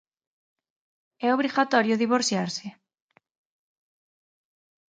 ¿É obrigatorio divorciarse?